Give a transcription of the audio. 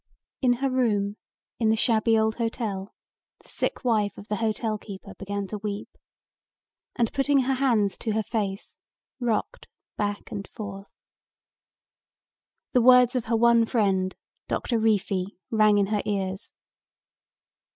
In her room in the shabby old hotel the sick wife of the hotel keeper began to weep and, putting her hands to her face, rocked back and forth. The words of her one friend, Doctor Reefy, rang in her ears.